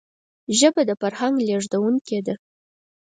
ژبه د فرهنګ لېږدونکی ده